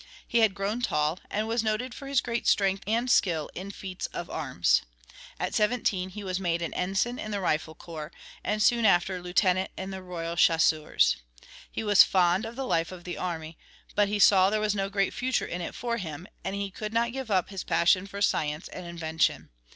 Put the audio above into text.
He had grown tall, and was noted for his great strength and skill in feats of arms. At seventeen he was made an Ensign in the Rifle Corps, and soon after Lieutenant in the Royal Chasseurs. He was fond of the life of the army, but he saw there was no great future in it for him, and he could not give up his passion for science and invention.